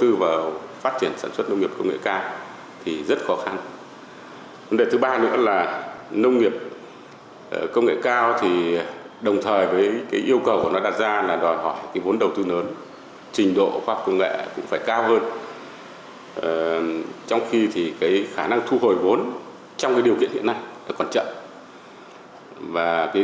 thứ hai là do diện tích đất nông nghiệp bình quân trên đầu người rất là thấp